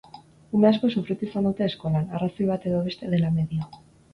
Ume askok sufritu izan dute eskolan, arrazoi bat edo beste dela medio.